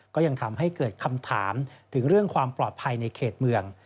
ก็ยังทำให้เกิดคำถามถึงเรื่องความปลอดภัยในเขตเมือง